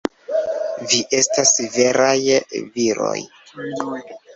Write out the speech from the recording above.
Vi estas veraj viroj!